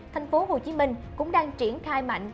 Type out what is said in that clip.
thành phố hồ chí minh cũng đang triển khai mạnh